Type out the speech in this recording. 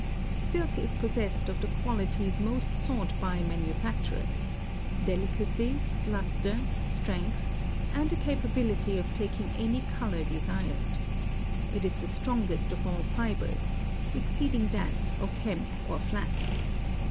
Silk is possessed of the qualities most sought by manufact urers : delicacy, luster, strength, and a capability of taking any color desired. It is the strongest of all fibers, exceeding that of hemp or flax.